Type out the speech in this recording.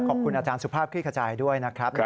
ขอบคุณอาจารย์สุภาพคลี่ขจายด้วยนะครับ